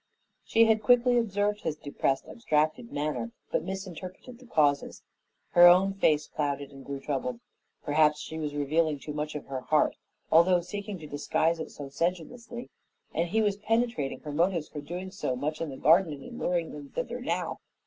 She had quickly observed his depressed, abstracted manner, but misinterpreted the causes. Her own face clouded and grew troubled. Perhaps she was revealing too much of her heart, although seeking to disguise it so sedulously, and he was penetrating her motives for doing so much in the garden and in luring him thither now.